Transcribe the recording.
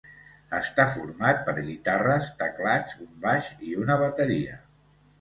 Està format per guitarres, teclats, un baix i una bateria.